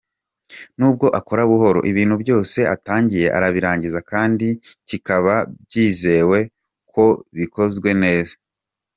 Nubwo akora buhoro, ibintu byose atangiye arabirangiza kandi kibaka byizewe ko bikozwe neza.